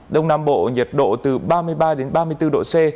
đông nam bộ nhiệt độ từ ba mươi ba đến ba mươi bốn độ c